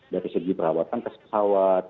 dari segi perawatan pesawat